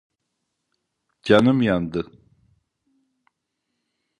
Canım yandı.